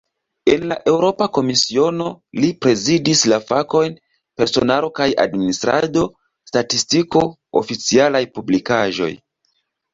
En la Eŭropa Komisiono, li prezidis la fakojn "personaro kaj administrado, statistiko, oficialaj publikaĵoj".